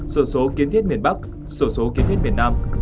sổ số kiến thiết miền bắc sổ số kiến thiết việt nam